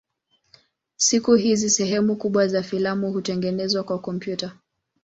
Siku hizi sehemu kubwa za filamu hutengenezwa kwa kompyuta.